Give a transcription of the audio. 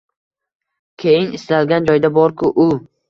Keyin istalgan joyda borku u.